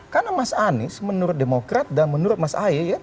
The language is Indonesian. karena mas anies menurut demokrat dan menurut mas aie